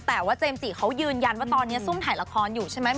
แต่ว่าเจมส์จิเขายืนยันว่าตอนนี้ซุ่มถ่ายละครอยู่ใช่ไหม